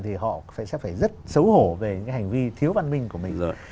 thì họ sẽ phải rất xấu hổ về những cái hành vi thiếu văn minh của mình rồi